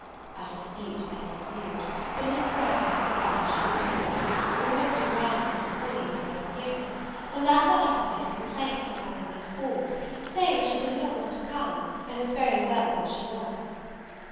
A dispute then ensued, but Miss Branghton was obliged to yield. When Mr. Brown and Miss Polly made their appearance, the latter uttered many complaints of having been called, saying, she did not want to come, and was very well where she was.